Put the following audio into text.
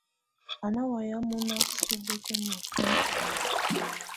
Á ná wayɛ̀á mɔ̀na subǝ́kǝ́ niɔ̀fɛnɛ.